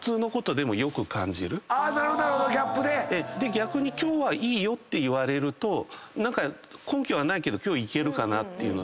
逆に今日はいいよって言われると根拠はないけど今日いけるかなっていうので。